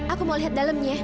aku mau lihat dalemnya